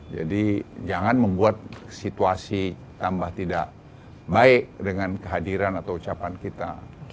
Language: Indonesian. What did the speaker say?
jadi jangan membuat situasi tambah tidak baik dengan kehadiran atau ucapan kita